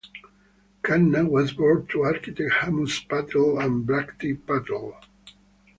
Canna was born to architect Hasmukh Patel and Bhakti Patel.